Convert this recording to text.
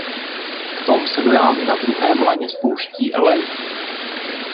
V tom se do jámy na druhém laně spouští Elaine.